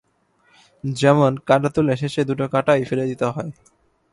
যেমন কাঁটা তুলে শেষে দুটো কাঁটাই ফেলে দিতে হয়।